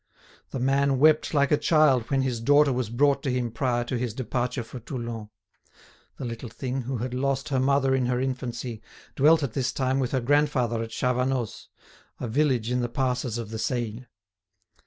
The man wept like a child when his daughter was brought to him prior to his departure for Toulon. The little thing, who had lost her mother in her infancy, dwelt at this time with her grandfather at Chavanoz, a village in the passes of the Seille.